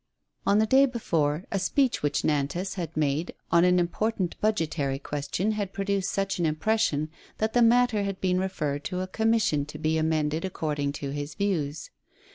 On the day before, a speech which Nantas had made on an important budgetary question had produced such an impression that the matter had been referred to a commission to be amended according to his views.